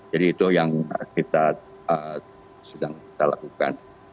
jadi itu yang kita sedang lakukan